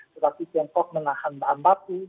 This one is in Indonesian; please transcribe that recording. tetapi tiongkok menahan bahan baku